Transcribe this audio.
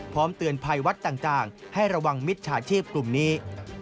พร้อมเตือนภัยวัดต่างให้ระวังมิจฉาชีพกลุ่มนี้